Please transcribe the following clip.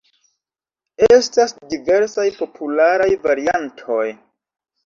Estas diversaj popularaj variantoj.